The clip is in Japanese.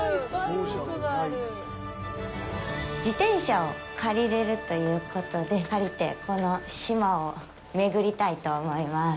自転車を借りれるということで借りて、この島をめぐりたいと思います。